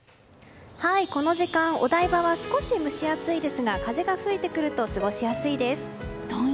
この時間お台場は少し蒸し暑いですが風が吹いてくると過ごしやすいです。